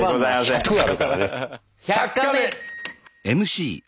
１００あるからね。